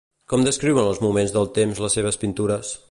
Com descriuen els moments del temps les seves pintures?